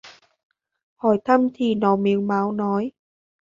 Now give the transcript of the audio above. Hỏi thăm thì nó mếu máo nói